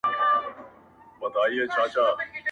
ما کوم کار هېر کړ